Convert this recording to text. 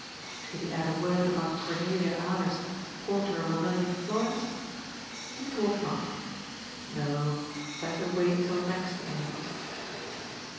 Should he add a word about Cornelia Aler's quarter of a million florins ? He thought not. No, better wait till next mail.